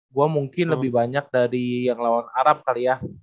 gue mungkin lebih banyak dari yang lawan arab kali ya